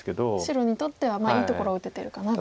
白にとってはいいところを打ててるかなと。